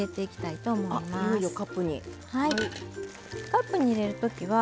カップに入れる時は。